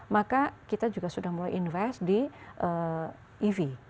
maka kita juga sudah mulai invest di ev